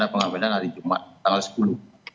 pengambilan hari jumat tanggal sepuluh